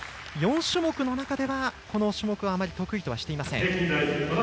４種目の中では、この種目あまり得意としていません。